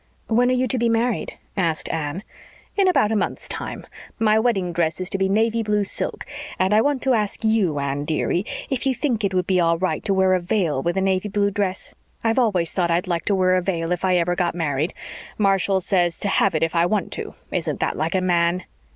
"When are you to be married?" asked Anne. "In about a month's time. My wedding dress is to be navy blue silk. And I want to ask you, Anne, dearie, if you think it would be all right to wear a veil with a navy blue dress. I've always thought I'd like to wear a veil if I ever got married. Marshall says to have it if I want to. Isn't that like a man?"